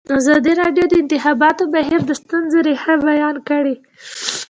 ازادي راډیو د د انتخاباتو بهیر د ستونزو رېښه بیان کړې.